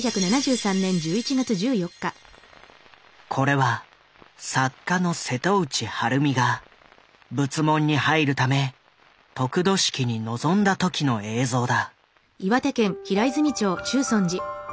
これは作家の瀬戸内晴美が仏門に入るため得度式に臨んだ時の映像だ。